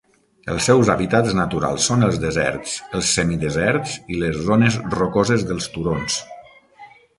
Els seus hàbitats naturals són els deserts, els semideserts i les zones rocoses dels turons.